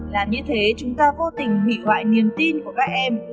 là như thế chúng ta vô tình hủy hoại niềm tin của các em